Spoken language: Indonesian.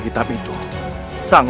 aku akan menang